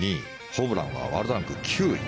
ホブランはワールドランク９位。